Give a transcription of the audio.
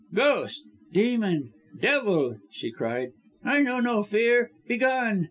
"Ghost, demon, devil!" she cried. "I know no fear! Begone!"